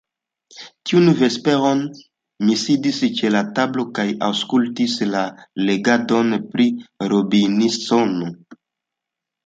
Tiun vesperon mi sidis ĉe la tablo kaj aŭskultis la legadon pri Robinsono.